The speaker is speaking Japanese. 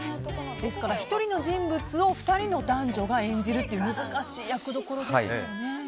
ですから、１人の人物を２人の男女が演じるという難しい役どころですよね。